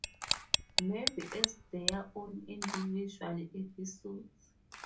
Maybe as their own individual episodes.